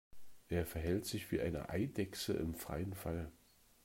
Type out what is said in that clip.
Er verhält sich wie eine Eidechse im freien Fall.